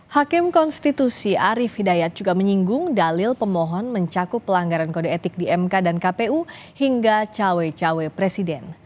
hakim konstitusi arief hidayat juga menyinggung dalil pemohon mencakup pelanggaran kode etik di mk dan kpu hingga cawe cawe presiden